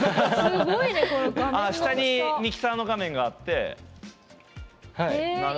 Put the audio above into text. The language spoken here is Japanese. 下にミキサーの画面があって。